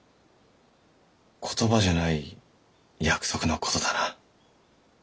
言葉じゃない約束のことだな。